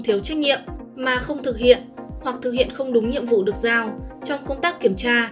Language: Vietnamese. thiếu trách nhiệm mà không thực hiện hoặc thực hiện không đúng nhiệm vụ được giao trong công tác kiểm tra